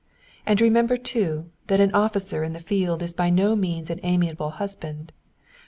And remember, too, that an officer in the field is by no means an amiable husband.